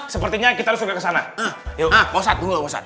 sepertinya kita suka kesana